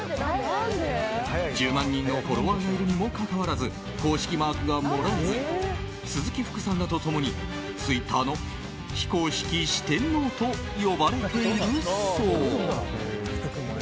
１０万人のフォロワーがいるにもかかわらず公式マークがもらえず鈴木福さんらと共にツイッターの非公式四天王と呼ばれているそう。